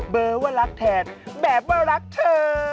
เบอร์ว่ารักแทนแบบว่ารักเธอ